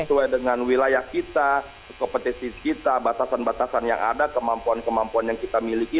sesuai dengan wilayah kita kompetisi kita batasan batasan yang ada kemampuan kemampuan yang kita miliki